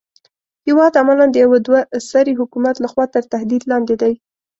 هېواد عملاً د يوه دوه سري حکومت لخوا تر تهدید لاندې دی.